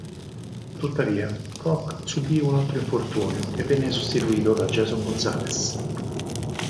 Tuttavia, Koch subì un altro infortunio e venne sostituito da Jason Gonzales.